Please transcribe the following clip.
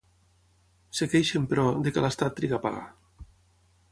Es queixen, però, de què l'Estat triga a pagar.